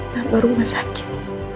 yang baru masakit